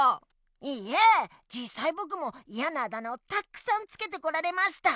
いえじっさいぼくもいやなあだ名をたくさんつけてこられました！